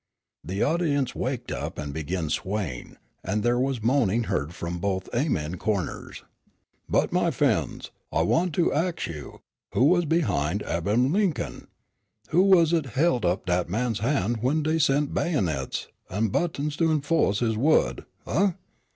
The audience waked up and began swaying, and there was moaning heard from both Amen corners. "But, my f'en's, I want to ax you, who was behind Ab'aham Lincoln? Who was it helt up dat man's han's when dey sent bayonets an' buttons to enfo'ce his word umph?